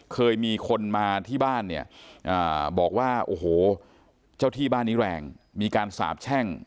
เคยมีคนมาที่บ้านเนี่ยบอกว่าโอ้โหเจ้าที่บ้านนี้แรงมีการสาบแช่ง